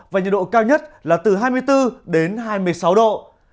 và nhiệt độ cao nhất là từ hai mươi bốn đến hai mươi sáu độ